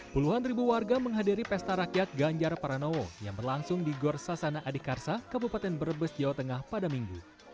puluhan ribu warga menghadiri pesta rakyat ganjar pranowo yang berlangsung di gorsasana adikarsa kabupaten brebes jawa tengah pada minggu